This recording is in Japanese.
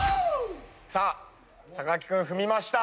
木君踏みました。